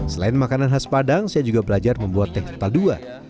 selain makanan khas padang saya juga belajar membuat teh kental dua